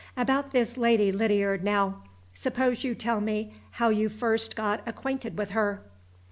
About this Lady Lydiard, now? Suppose you tell me how you first got acquainted with her?"